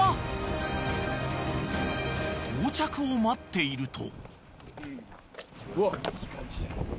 ［到着を待っていると］